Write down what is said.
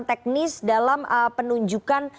teknis dalam penunjukan